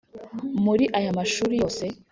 Muri aya mashuri yose